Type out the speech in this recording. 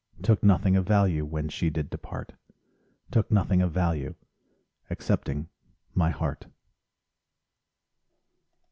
Took nothing of value, When she did depart, Took nothing of value— Excepting my heart.